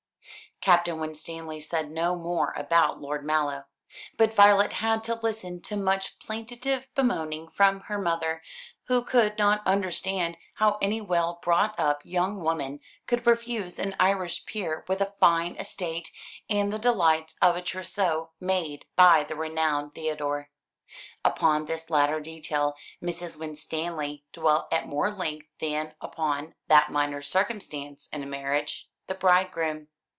Captain Winstanley said no more about Lord Mallow; but Violet had to listen to much plaintive bemoaning from her mother, who could not understand how any well brought up young woman could refuse an Irish peer with a fine estate, and the delights of a trousseau made by the renowned Theodore. Upon this latter detail Mrs. Winstanley dwelt at more length than upon that minor circumstance in a marriage the bridegroom.